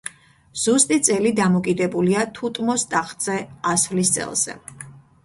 ზუსტი წელი დამოკიდებულია თუტმოს ტახტზე ასვლის წელზე.